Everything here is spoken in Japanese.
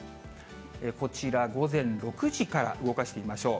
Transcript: こちら、午前６時から動かしてみましょう。